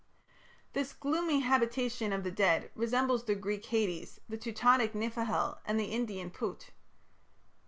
This gloomy habitation of the dead resembles the Greek Hades, the Teutonic Nifelhel, and the Indian "Put".